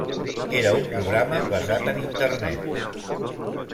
Era un programa basat en Internet.